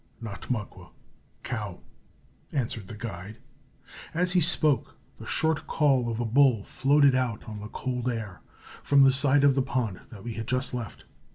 "Not muckwa cow," answered the guide. As he spoke, the short call of a bull floated out on the cold air from the side of the pond that we had just left.